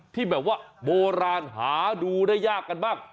ที่แบบว่าโบราณหาดูได้ยากกันบ้าง